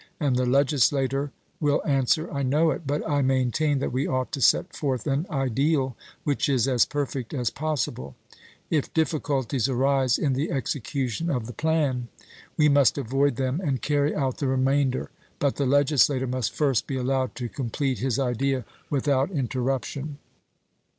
And the legislator will answer: 'I know it, but I maintain that we ought to set forth an ideal which is as perfect as possible. If difficulties arise in the execution of the plan, we must avoid them and carry out the remainder. But the legislator must first be allowed to complete his idea without interruption.'